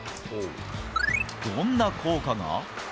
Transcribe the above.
どんな効果が？